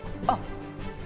あっ！